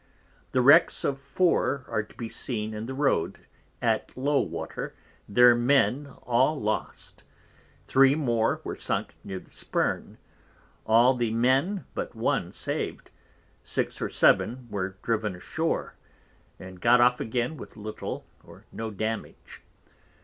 The Wrecks of four are to be seen in the Road at low Water their Men all lost, three more were sunk near the Spurn, all the Men but one saved, six or seven were driven ashoar, and got off again with little or no damage.